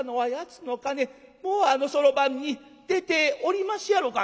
もうあのそろばんに出ておりますやろか？」。